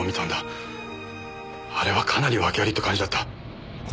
あれはかなり訳ありって感じだった。